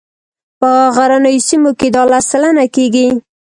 په غرنیو سیمو کې دا لس سلنه کیږي